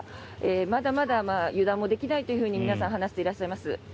まだまだ油断もできないと皆さん話していらっしゃいます。